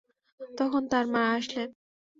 তখন তাঁর মা আসলেন।